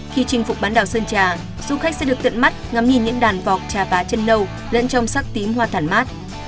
khi chinh phục bán đảo sơn trà du khách sẽ được tận mắt ngắm nhìn những đàn vọc trà vá chân nâu lẫn trong sắc tím hoa thản mát